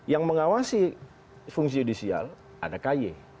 yang mengawasi fungsi yudisial ada k y